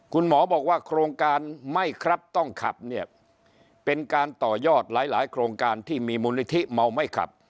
คุณหมอบอกว่าโครงการไม่ครับต้องขับเนี่ยเป็นการต่อยอดหลายหลายโครงการที่มีมูลนิธิเมาไม่ขับ